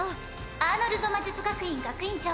アーノルド魔術学院学院長